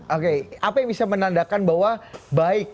oke apa yang bisa menandakan bahwa baik